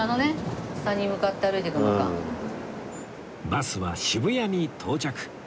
バスは渋谷に到着